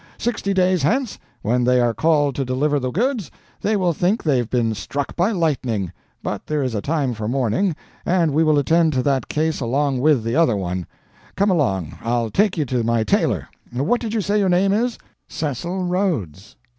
Sixty days hence, when they are called to deliver the goods, they will think they've been struck by lightning. But there is a time for mourning, and we will attend to that case along with the other one. Come along, I'll take you to my tailor. What did you say your name is?" "Cecil Rhodes."